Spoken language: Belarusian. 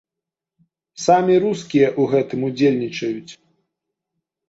Самі рускія ў гэтым удзельнічаюць.